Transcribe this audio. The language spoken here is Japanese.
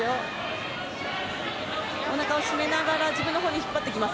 おなかをしめながら自分のほうに引っ張ってきます。